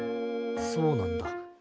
そうなんだ。